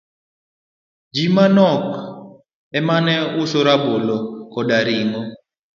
ji manok emane uso rabolo koda ring'o.